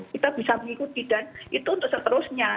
kita bisa mengikuti dan itu untuk seterusnya